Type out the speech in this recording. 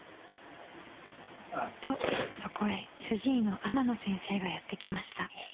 ［とそこへ主治医の天野先生がやって来ました］